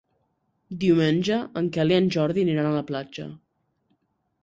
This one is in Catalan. Diumenge en Quel i en Jordi aniran a la platja.